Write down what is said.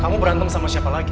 kamu berantem sama siapa lagi